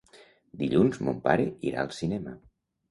Dilluns mon pare irà al cinema.